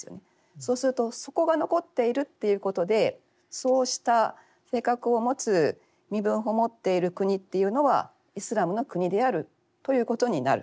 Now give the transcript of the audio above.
そうするとそこが残っているっていうことでそうした性格を持つ身分法を持っている国っていうのはイスラムの国であるということになる。